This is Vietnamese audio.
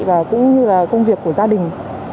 và cũng như là công việc của gia đình